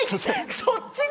そっちの。